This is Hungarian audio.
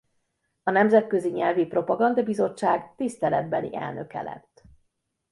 A Nemzetközi Nyelvi Propaganda Bizottság tiszteletbeli elnöke lett.